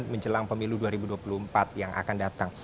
menjelang pemilu dua ribu dua puluh empat yang akan datang